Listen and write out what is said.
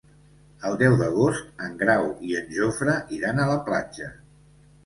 El deu d'agost en Grau i en Jofre iran a la platja.